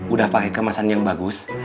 udah pakai kemasan yang bagus